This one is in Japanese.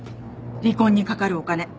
離婚にかかるお金。